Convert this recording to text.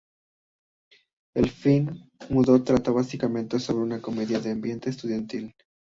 El film mudo trata básicamente sobre una comedia de ambiente estudiantil.